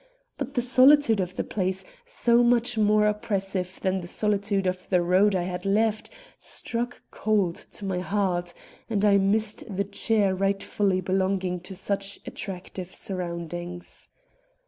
But the solitude of the place, so much more oppressive than the solitude of the road I had left, struck cold to my heart, and I missed the cheer rightfully belonging to such attractive surroundings.